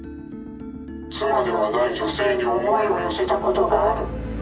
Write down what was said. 妻ではない女性に想いを寄せたコトがある。